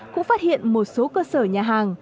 cũng phát hiện một số cơ sở nhà hàng